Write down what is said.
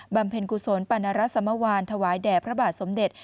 เพ็ญกุศลปานรสมวานถวายแด่พระบาทสมเด็จ